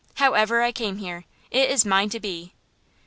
However I came here, it is mine to be.